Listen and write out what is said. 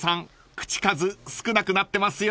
口数少なくなってますよ］